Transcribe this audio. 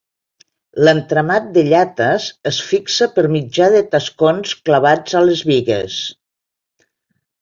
L'entramat de llates es fixa per mitjà de tascons clavats a les bigues.